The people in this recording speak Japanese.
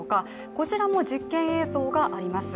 こちらも実験映像があります。